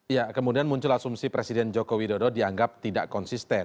ya kemudian muncul asumsi presiden joko widodo dianggap tidak konsisten